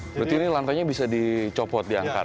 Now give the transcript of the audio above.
berarti ini lantainya bisa dicopot diangkat